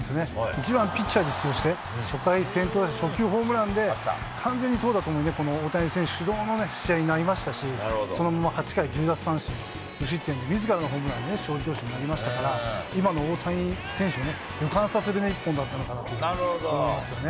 １番ピッチャーで出場して、初回先頭打者初球ホームランで、完全に投打ともに大谷選手主導の試合になりましたし、そのまま８回１０奪三振、無失点でみずからのホームランで勝利投手になりましたから、今の大谷選手を予感させる１本だったのかなと思いますよね。